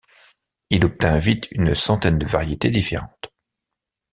Il obtint vite une centaine de variétés différentes.